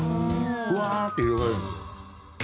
ふわーって広がる。